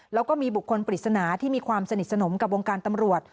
แล้วก็มีบุคคลปริศนาที่มีความสนิทสนมกับวงการตำรวจ